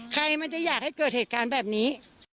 ใครมันจะอยากให้เกิดเหตุการณ์แบบนี้